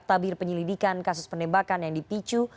tabir penyelidikan kasus penembakan yang dipicu